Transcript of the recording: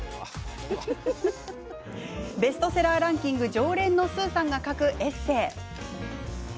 ベストセラーランキング常連のスーさんが書くエッセー。